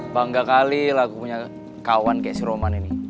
bangga kalilah aku punya kawan kayak si roman ini